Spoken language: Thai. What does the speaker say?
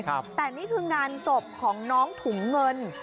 แต่นี่คืองานศพของน้องถุงเงิน